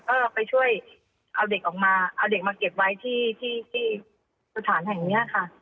ก็ไปช่วยเอาเด็กออกมาเอาเด็กมาเก็บไว้ที่ที่สถานแห่งเนี้ยค่ะ